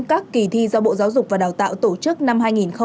các kỳ thi do bộ giáo dục và đào tạo tổ chức năm hai nghìn hai mươi hai